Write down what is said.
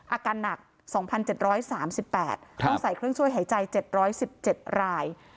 อาการหนัก๒๗๓๘ต้องใส่เครื่องช่วยหายใจ๗๑๗ราย